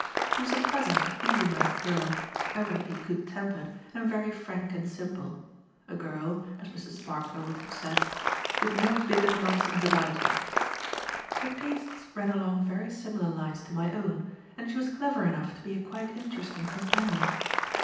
She was a pleasant, easy mannered girl, evidently good tempered, and very frank and simple; a girl as Mr. Sparkler would have said "with no bigod nonsense about her." Her tastes ran along very similar lines to my own, and she was clever enough to be a quite interesting companion.